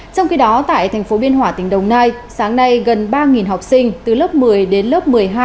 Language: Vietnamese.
trong khi đó tại thành phố biên hòa tỉnh đồng nai sáng nay gần ba học sinh từ lớp một mươi đến lớp một mươi hai